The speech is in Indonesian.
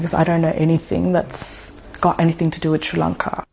yang ada apa apa yang berkaitan dengan sri lanka